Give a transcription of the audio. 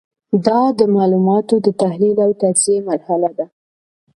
دا د معلوماتو د تحلیل او تجزیې مرحله ده.